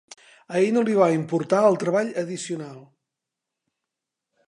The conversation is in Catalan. A ell no li va importar el treball addicional.